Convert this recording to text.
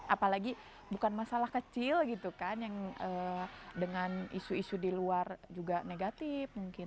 apalagi bukan masalah kecil gitu kan yang dengan isu isu di luar juga negatif mungkin